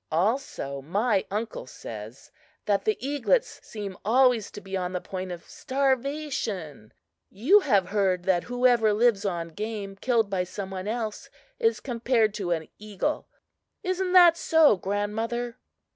Also, my uncle says that the eaglets seem always to be on the point of starvation. You have heard that whoever lives on game killed by some one else is compared to an eagle. Isn't that so, grandmother?